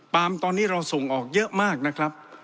ตอนนี้เราส่งออกเยอะมากนะครับ